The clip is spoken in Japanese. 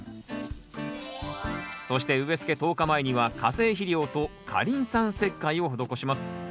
そして植えつけ１０日前には化成肥料と過リン酸石灰を施します。